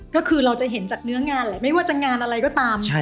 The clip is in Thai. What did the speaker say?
ก็คือเราจะเห็นจากเนื้องานแหละไม่ว่าจะงานอะไรก็ตาม